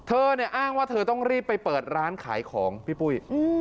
เธอเนี่ยอ้างว่าเธอต้องรีบไปเปิดร้านขายของพี่ปุ้ย